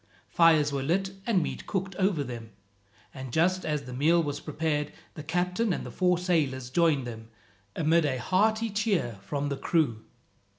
Fires were lit and meat cooked over them; and just as the meal was prepared the captain and the four sailors joined them, amid a hearty cheer from the crew.